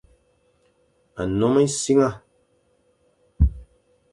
Nnom essiang.